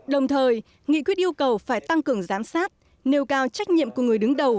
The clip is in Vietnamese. đồng thời nghị quyết yêu cầu phải tăng cường giám sát nêu cao trách nhiệm của người đứng đầu